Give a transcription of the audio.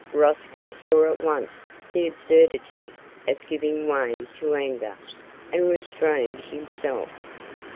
Rosco saw at once the absurdity of giving way to anger, and restrained himself.